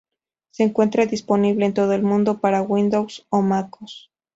Se encuentra disponible en todo el mundo para Windows o MacOs.